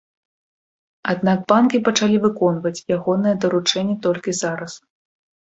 Аднак банкі пачалі выконваць ягонае даручэнне толькі зараз.